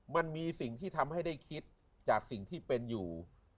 มันมีสิ่งที่ทำให้ได้คิดจากสิ่งที่เป็นอยู่